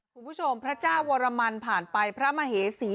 คุณผู้ชมพระเจ้าวรมันผ่านไปพระมเหสี